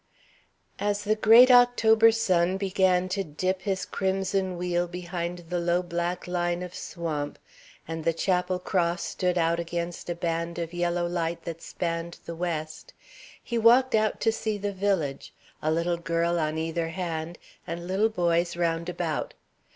As the great October sun began to dip his crimson wheel behind the low black line of swamp, and the chapel cross stood out against a band of yellow light that spanned the west, he walked out to see the village, a little girl on either hand and little boys round about.